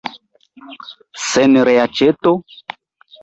Sen reaĉeto?